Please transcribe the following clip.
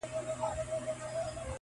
زه مي د شرف له دایرې وتلای نه سمه,